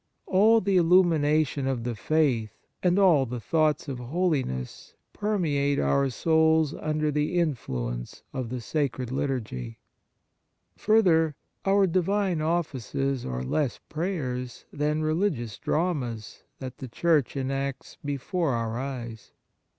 All the illumination of the faith and all the thoughts of holiness permeate our souls under the influence of the sacred liturgy. Further, our divine offices are less prayers than religious dramas that the Church enacts before our eyes.